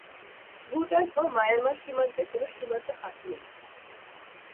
ভুটান ও মায়ানমার সীমান্তে কোন সীমান্ত হাট নেই।